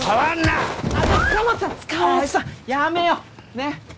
ねっ？